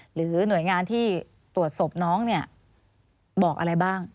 หรือหน่วยงานที่ตรวจศพน้องเนี่ยบอกอะไรบ้าง